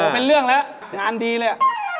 เป็นเรื่องแล้วงานดีเลย